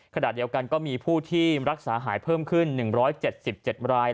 ขณะเดียวกันก็มีผู้ที่รักษาหายเพิ่มขึ้น๑๗๗ราย